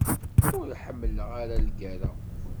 Ur ḥemmleɣ ara lgerra.